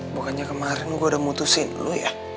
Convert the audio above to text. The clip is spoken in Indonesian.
bukannya kemarin gue udah mutusin dulu ya